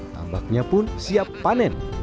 tambaknya pun siap panen